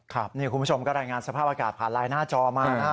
คุณผู้ชมก็รายงานสภาพอากาศผ่านไลน์หน้าจอมานะ